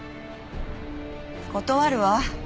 断るわ。